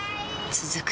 続く